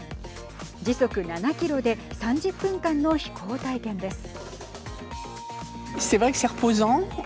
時速７キロで３０分間の飛行体験です。